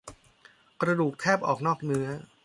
กระดูกแทบออกนอกเนื้อ